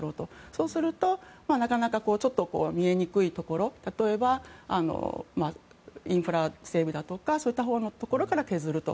そうすると、なかなか見えにくいところ例えばインフラ整備だとかそういったところから削ると。